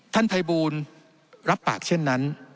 ท่านภัยบูรณ์รับปากเช่นนั้น